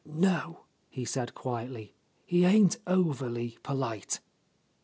"No, " he said quietly, "he ain't overly polite.